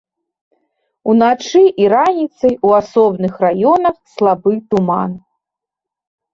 Уначы і раніцай у асобных раёнах слабы туман.